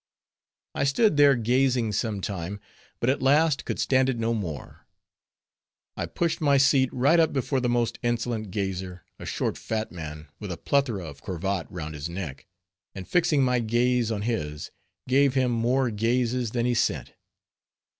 I stood their gazing some time, but at last could stand it no more. I pushed my seat right up before the most insolent gazer, a short fat man, with a plethora of cravat round his neck, and fixing my gaze on his, gave him more gazes than he sent.